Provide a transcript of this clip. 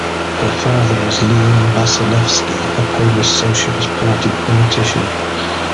Her father was Leon Wasilewski, a Polish Socialist Party politician.